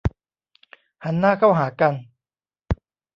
หันหน้าเข้าหากัน